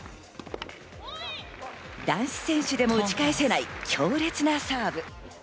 男子選手でも打ち返せない強烈なサーブ。